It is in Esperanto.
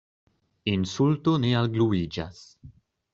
Insulto ne algluiĝas.